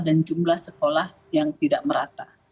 dan jumlah sekolah yang tidak merata